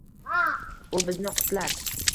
U bizni qutlar!